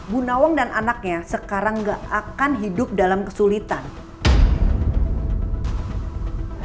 bu nawang dan anaknya sekarang gak akan hidup dalam kesulitan